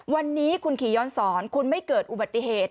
วันนี้คุณขี่ย้อนสอนคุณไม่เกิดอุบัติเหตุ